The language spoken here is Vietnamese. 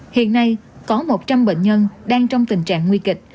hiện nay có một trăm linh bệnh nhân đang trong tình trạng nguy kịch